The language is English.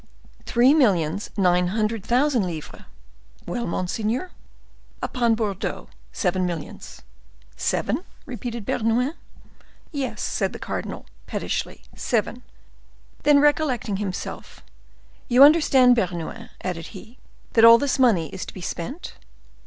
"Three millions nine hundred thousand livres." "Well, monseigneur?" "Upon Bordeaux, seven millions." "Seven?" repeated Bernouin. "Yes," said the cardinal, pettishly, "seven." Then, recollecting himself, "You understand, Bernouin," added he, "that all this money is to be spent?"